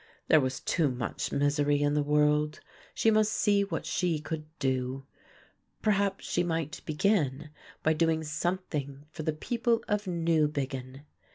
There was too much misery in the world, she must see what she could do. Perhaps she might begin by doing something for the people of Newbiggin.